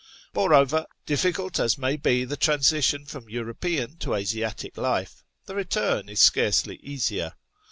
Moreover, difficult as may be the transition from European to Asiatic life, the return is scarcely easier.